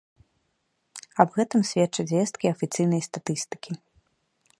Аб гэтым сведчаць звесткі афіцыйнай статыстыкі.